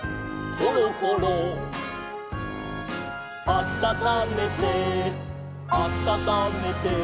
「あたためてあたためて」